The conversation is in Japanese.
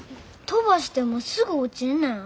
飛ばしてもすぐ落ちんねん。